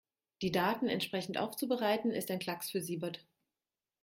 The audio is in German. Die Daten entsprechend aufzubereiten, ist ein Klacks für Siebert.